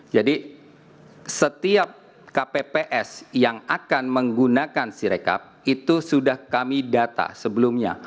jadi setiap kpps yang akan menggunakan si rekap itu sudah kami data sebelumnya